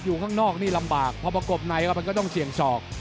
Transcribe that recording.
อยู่ข้างนอกนี่ลำบากพอประกบไหนก็ต้องเสี่ยงศอก